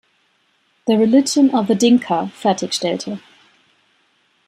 The Religion of the Dinka", fertigstellte.